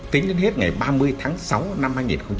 tính đến hết ngày ba mươi tháng sáu năm hai nghìn hai mươi